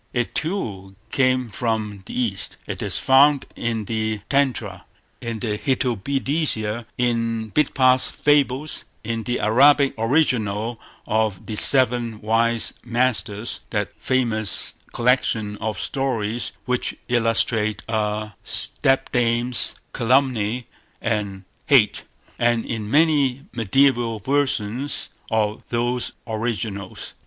It, too, came from the East. It is found in the Pantcha Tantra, in the Hitopadesa, in Bidpai's Fables, in the Arabic original of The Seven Wise Masters, that famous collection of stories which illustrate a stepdame's calumny and hate, and in many mediaeval versions of those originals.